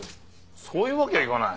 そういうわけにはいかない。